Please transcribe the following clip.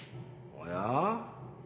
おや？